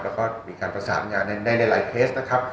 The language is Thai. แล้วก็มีการประสานงานในหลายเคสนะครับ